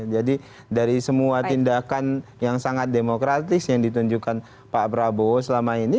jadi dari semua tindakan yang sangat demokratis yang ditunjukkan pak prabowo selama ini